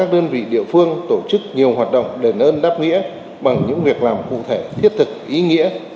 địa phương tổ chức nhiều hoạt động đền ơn đáp nghĩa bằng những việc làm cụ thể thiết thực ý nghĩa